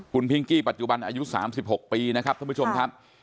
คุณพิงกี้ปัจจุบันอายุ๓๖ปีนะครับท่านผู้ชมครับ